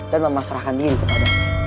dan memasrahkan diri kepadanya